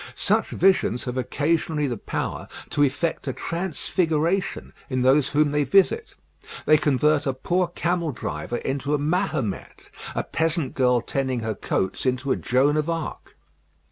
Such visions have occasionally the power to effect a transfiguration in those whom they visit. They convert a poor camel driver into a Mahomet; a peasant girl tending her goats into a Joan of Arc.